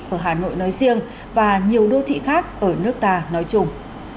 ở hà nội nói riêng và nhiều đô thị khác ở nước ta nói chung